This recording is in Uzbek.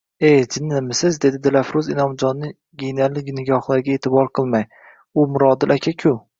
E, jinnimisiz, dedi Dilafruz inomjonning ginali nigohlariga e`tibor qilmay, U Mirodil aka-ku